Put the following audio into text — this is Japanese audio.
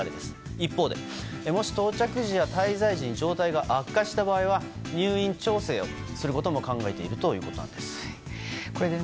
一方で、もし到着時や滞在時に状態が悪化した場合は入院調整をすることも考えているということです。